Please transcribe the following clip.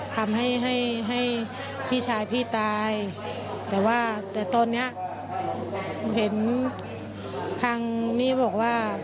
ทำให้พี่ชายพี่ตายแต่ว่าตอนนี้เห็นทางนี้บอกว่า